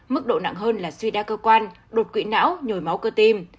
mức độ nặng hơn là suy đa cơ quan đột quỵ não nhồi máu cơ tim